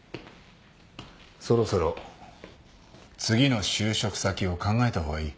そろそろ次の就職先を考えた方がいい。